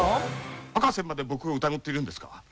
博士まで僕を疑ってるんですか？